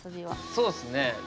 そうっすね。